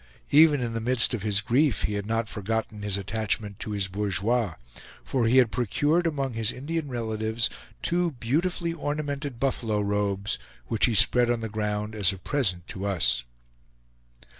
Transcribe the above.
Even in the midst of his grief he had not forgotten his attachment to his bourgeois, for he had procured among his Indian relatives two beautifully ornamented buffalo robes, which he spread on the ground as a present to us.